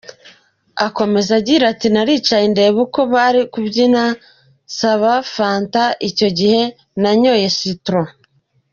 Akomeza agira ati “Naricaye ndeba uko bari kubyina, nsaba Fanta, icyo gihe nanyoye citron.